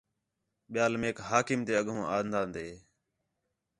ٻِیال میک حاکم تے اڳّوں آنداندے